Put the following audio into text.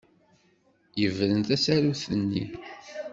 Yebren tasarut-nni.